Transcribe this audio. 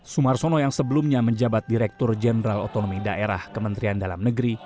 sumarsono yang sebelumnya menjabat direktur jenderal otonomi daerah kementerian dalam negeri